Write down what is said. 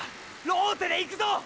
ローテでいくぞ。